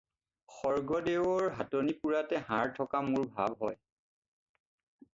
স্বৰ্গদেওৰ হাতনিপেৰাতে হাৰ থকা মোৰ ভাব হয়।